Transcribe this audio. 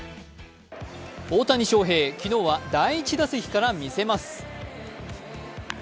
大谷翔平、昨日は第１打席からみせます。